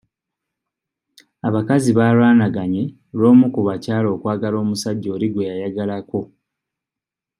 Abakazi baalwanaganye lw'omu ku bakyala okwagala omusajja oli gwe yayagala ko.